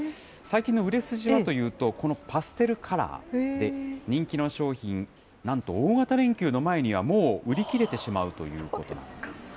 最近の売れ筋はというと、このパステルカラーで、人気の商品、なんと大型連休の前には、もう売り切れてしまうということなんです。